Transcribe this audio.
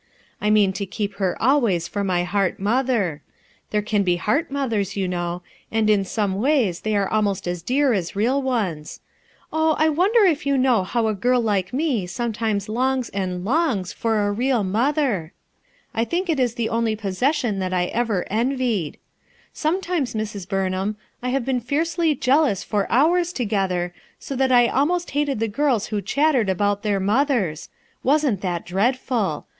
I mean to keep her always for my heart mother. There can be heart mothers, you know, and in some ways they are almost as dear as real ones. Oh, I wonder if you know how a girl like me sometimes longs and longs for a real mother! 2SG RUTH ERSKINE'S SON I think it is the only possession that I ever envied. Sometimes, Mrs. Burnham, I have been fiercely jealous for hours together, so that I almost hated the girls who chattered about their mothers. Wasn't that dreadful!